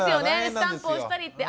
スタンプ押したりって。